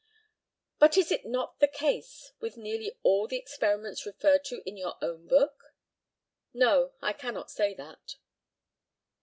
But is not that the case with nearly all the experiments referred to in your own book? No; I cannot say that.